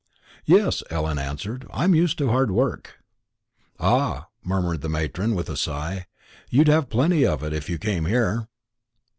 "Yes," Ellen answered, "I'm used to hard work." "Ah," murmured the matron, with a sigh, "you'd have plenty of it, if you came here."